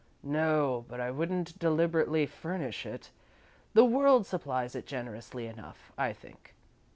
"No, but I wouldn't deliberately furnish it. The world supplies it generously enough, I think.